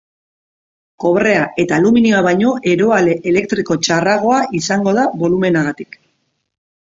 Kobrea eta aluminioa baino eroale elektriko txarragoa izango da bolumenagatik.